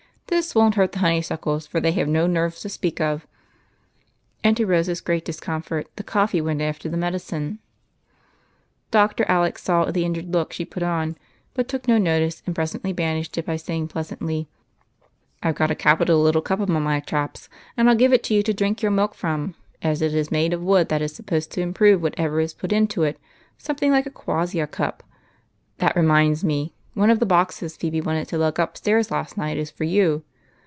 This won't hurt the honeysuckles, for they have no nerves to speak of." And, to Rose's great discomfort, the coffee went after the medicine. Dr. Alec saw the injured look slie put on, but took no notice, and presently banished it by saying jDleas antly, —" I 've got a capital little cui? among my traps, and I '11 give it to you to drink your milk in, as it is made of wood that is supposed to improve whatever is put into it, — something like a quassia cup. That reminds me ; one of the boxes Phebe wanted to lug upstairs last night is for you.